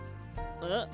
えっ？